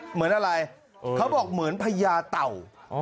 เหมือนอะไรเขาบอกเหมือนพญาเต่า